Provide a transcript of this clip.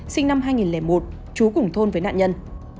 sinh năm hai nghìn một trú cùng thôn với nạn nhân